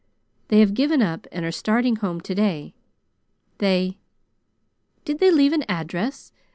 They have given up, and are starting home today. They " "Did they leave an address?